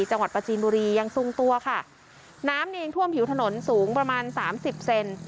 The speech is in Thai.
จังหวัดประจีนบุรียังทรงตัวค่ะน้ำนี่ยังท่วมผิวถนนสูงประมาณสามสิบเซน